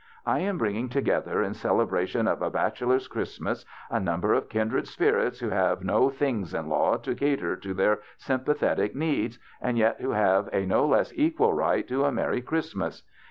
I am bringing together, in celebra tion of a bachelor's Christmas, a number of kindred spirits who have no things in law to THE BACHELOR'S CHRISTMAS 37 cater to their sympathetic needs, and yet who have a no less equal right to a merry Christ mas.